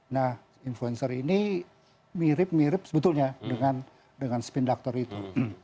nah influencer ini mirip mirip sebetulnya dengan spin doctor itu